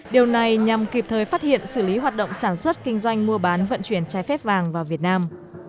điều này nhằm kịp thời phát hiện xử lý hoạt động sản xuất kinh doanh mua bán vận chuyển trái phép vàng vào việt nam